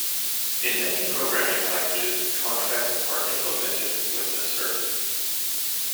In many programming languages, contracts are implemented with assert.